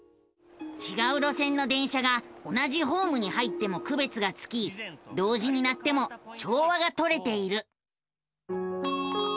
ちがう路線の電車が同じホームに入ってもくべつがつき同時に鳴っても調和がとれている。